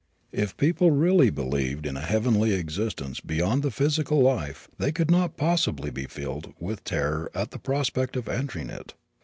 If people really believed in a heavenly existence beyond the physical life they could not possibly be filled with terror at the prospect of entering it.